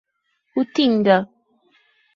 Utinga